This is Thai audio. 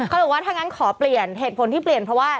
บอกว่าถ้างั้นขอเปลี่ยนเหตุผลที่เปลี่ยนเพราะว่า